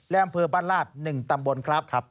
และอำเภอบ้านลาด๑ตำบลครับ